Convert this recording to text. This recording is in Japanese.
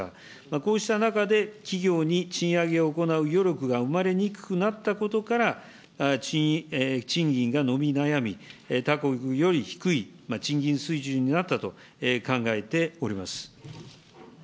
こうした中で、企業に賃上げを行う余力が生まれにくくなったことから、賃金が伸び悩み、他国より低い賃金水準になったと考えております。